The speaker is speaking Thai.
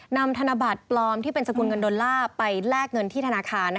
ธนบัตรปลอมที่เป็นสกุลเงินดอลลาร์ไปแลกเงินที่ธนาคาร